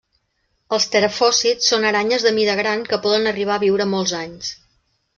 Els terafòsids són aranyes de mida gran que poden arribar a viure molts anys.